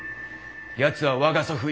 やつは我が祖父